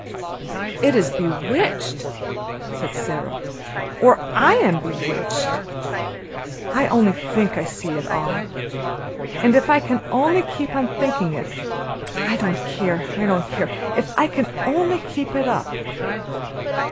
"It is bewitched!" said Sara. "Or I am bewitched. I only think I see it all; but if I can only keep on thinking it, I don't care I don't care if I can only keep it up!"